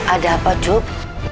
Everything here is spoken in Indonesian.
ada apa cuk